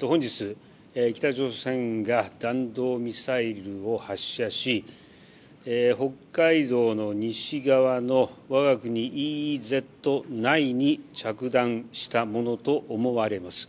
本日北朝鮮が弾道ミサイルを発射し北海道の西側のわが国ＥＥＺ内に着弾したものと思われます